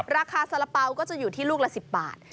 ราคาสารเป๋าก็จะอยู่ที่ลูกละ๑๐บาท